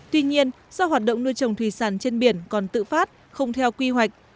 tuy nhiên do hoạt động nuôi trồng thủy sản trên biển còn tự phát không theo quy hoạch